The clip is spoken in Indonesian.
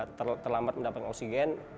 namun ketika terlambat mendapatkan oksigen